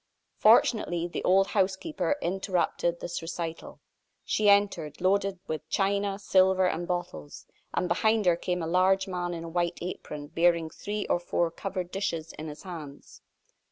Fortunately, the old housekeeper interrupted this recital. She entered, loaded with china, silver, and bottles, and behind her came a large man in a white apron, bearing three or four covered dishes in his hands.